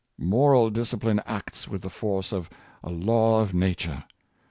Moral discipline acts with the force of a law of nature.